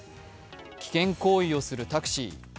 危険行為をするタクシー。